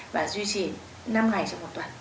và duy trì năm ngày trong một tuần